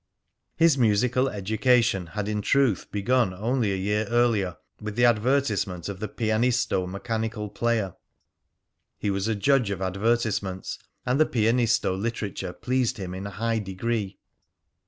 His musical education had in truth begun only a year earlier, with the advertisement of the "Pianisto" mechanical player. He was a judge of advertisements, and the "Pianisto" literature pleased him in a high degree.